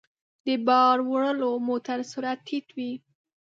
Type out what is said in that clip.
د بار وړلو موټر سرعت ټيټ وي.